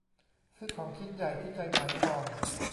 ซื้อของชิ้นใหญ่ที่ใจหมายปอง